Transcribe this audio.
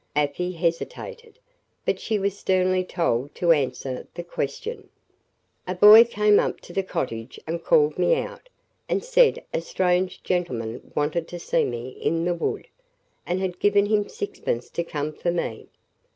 Afy hesitated; but she was sternly told to answer the question. "A boy came up to the cottage and called me out, and said a strange gentleman wanted to see me in the wood, and had given him sixpence to come for me.